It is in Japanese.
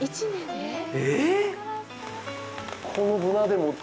えっ！？